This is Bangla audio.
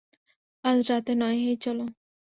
আজ রাতে নয় হেই, চলো।